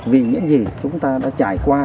vì những gì chúng ta đã trải qua